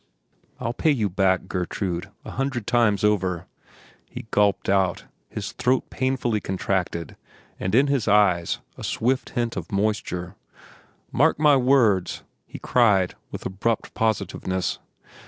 "I'll pay you back, Gertrude, a hundred times over," he gulped out, his throat painfully contracted and in his eyes a swift hint of moisture. "Mark my words!" he cried with abrupt positiveness.